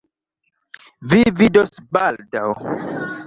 Vi vidos baldaŭ.